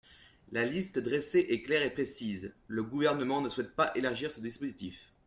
La liste dressée est claire et précise ; le Gouvernement ne souhaite pas élargir ce dispositif.